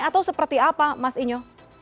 atau seperti apa mas inyo